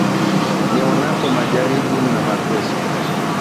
Nionapo majaribu na mateso,